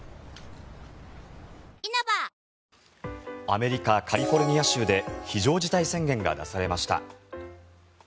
アメリカ・カリフォルニア州で非常事態宣言が出されました。